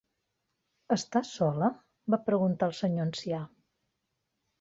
"Està sola?" - va preguntar el senyor ancià.